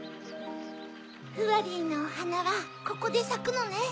フワリーのおはなはここでさくのね。